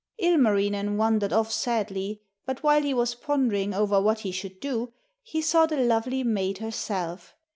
Ilmarinen wandered off sadly, but while he was pondering over what he should do, he saw the lovely maid herself.